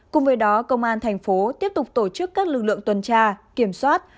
cùng với đó công an thành phố tiếp tục tổ chức các lực lượng tuần tra kiểm soát